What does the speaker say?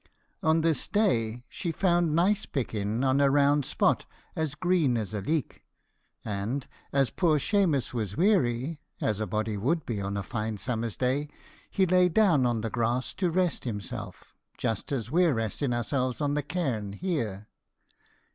On this day she found nice picken on a round spot as green as a leek; and, as poor Shemus was weary, as a body would be on a fine summer's day, he lay down on the grass to rest himself, just as we're resten ourselves on the cairn here.